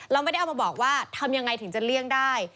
เราไม่ได้เอามาบอกว่าทำยังไงถึงจะเลี่ยงได้